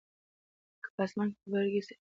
په اسمان کې غبرګې څړیکې د غضب په څېر ښکاري.